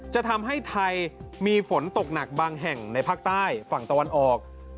จะทำให้ไทยมีฝนตกหนักบางแห่งในภาคใต้ฝั่งตะวันออก